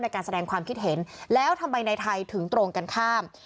ในการแสดงความคิดเห็นแล้วทำไมในไทยถึงตรงกันข้าม